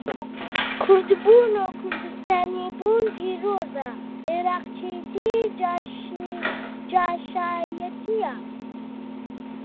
کوردبوون و کوردستانی بوون پیرۆزە، عێڕاقچێتی جاشایەتییە.